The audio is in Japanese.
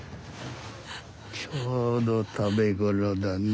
ちょうど食べ頃だね。